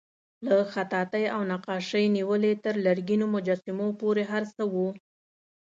له خطاطۍ او نقاشۍ نیولې تر لرګینو مجسمو پورې هر څه وو.